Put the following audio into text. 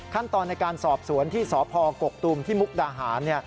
ขั้นตอนในการสอบสวนที่สพกกตูมที่มุกดาหาร